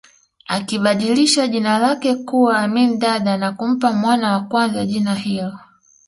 Akibadilisha jina lake kuwa Amin Dada na kumpa mwana wa kwanza jina hilo